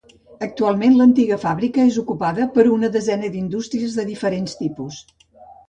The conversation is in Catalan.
Actualment l'antiga fàbrica és ocupada per una desena d'indústries de diferents tipus.